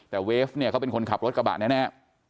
แต่เวฟเนี่ยเขาเป็นคนขับรถกระบะแน่